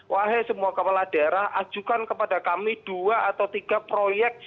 wahai semua kepala daerah ajukan kepada kami dua atau tiga proyek